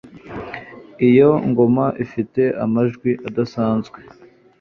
Iyo ngoma ifite amajwi adasanzwe